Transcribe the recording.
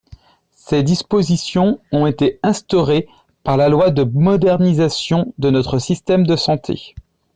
Ces dispositions ont été instaurées par la loi de modernisation de notre système de santé.